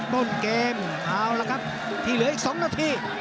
ต้นเกมเอาละครับที่เหลืออีก๒นาที